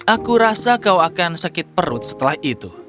aku rasa kau akan sakit perut setelah itu